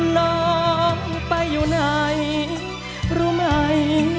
น้องไปอยู่ไหนรู้ไหม